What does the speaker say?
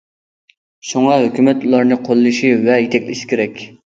شۇڭا، ھۆكۈمەت ئۇلارنى قوللىشى ۋە يېتەكلىشى كېرەك.